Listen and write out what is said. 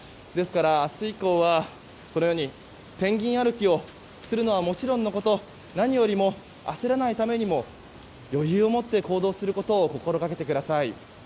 ですから、明日以降はこのようにペンギン歩きをするのはもちろんのこと何よりも焦らないためにも余裕を持って行動することを心がけてください。